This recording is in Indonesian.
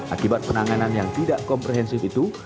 akibat penanganan yang tidak komprehensif itu